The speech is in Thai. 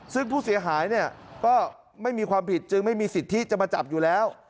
ซึ่งผู้เสียหายเนี่ยก็ไม่มีความผิดจึงไม่มีสิทธิจะมาจับอยู่แล้ว